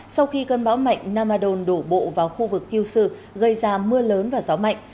sau khi cơn bão mạnh namadon đổ bộ vào khu vực kyushu gây ra mưa lớn và gió mạnh